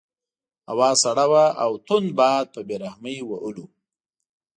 هوا سړه وه او تند باد په بې رحمۍ وهلو.